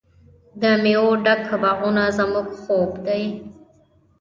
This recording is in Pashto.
د میوو ډک باغونه زموږ خوب دی.